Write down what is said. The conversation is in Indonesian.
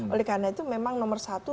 oleh karena itu memang nomor satu